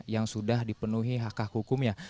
yang sudah dipenuhi hak hak hukumnya